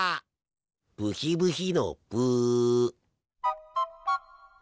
ブヒブヒのブ！